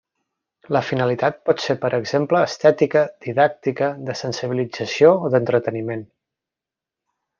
La finalitat pot ser per exemple estètica, didàctica, de sensibilització o d'entreteniment.